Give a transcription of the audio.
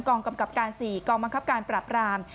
กองกำกับการ๔กองบังคับการปราบราม